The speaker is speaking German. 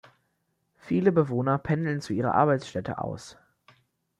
Viele Bewohner pendeln zu ihrer Arbeitsstätte aus.